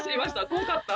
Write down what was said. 怖かった。